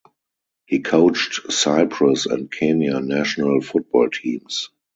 He coached Cyprus and Kenya national football teams.